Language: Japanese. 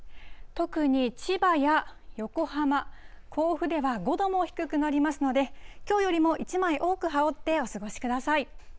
特に千葉や横浜、甲府では５度も低くなりますので、きょうよりも１枚多く羽織ってお過ごしください。